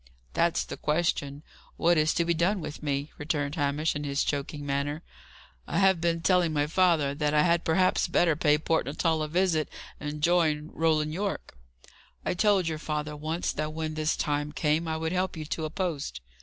"That's the question what is to be done with me?" returned Hamish, in his joking manner. "I have been telling my father that I had perhaps better pay Port Natal a visit, and join Roland Yorke." "I told your father once, that when this time came, I would help you to a post."